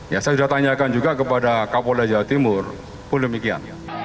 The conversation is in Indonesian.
saya sudah tanyakan juga kepada kapolajah timur pun demikian